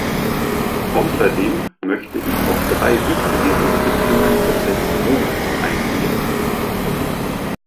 Außerdem möchte ich auf drei wichtige Entwicklungen des letzten Monats eingehen.